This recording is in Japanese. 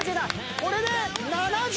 これで７０！